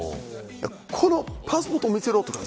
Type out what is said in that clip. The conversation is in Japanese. このパスポートを見せろとか。